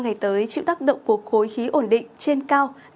nền nhiệt cao này chịu tác động của khối khí ổn định trên cao